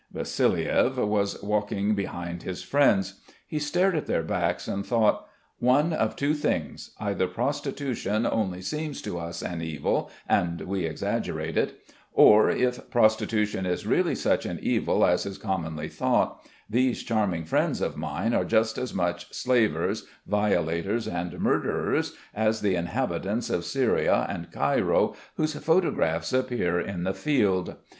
Vassiliev was walking behind his friends. He stared at their backs and thought: "One of two things: either prostitution only seems to us an evil and we exaggerate it, or if prostitution is really such an evil as is commonly thought, these charming friends of mine are just as much slavers, violators, and murderers as the inhabitants of Syria and Cairo whose photographs appear in 'The Field.'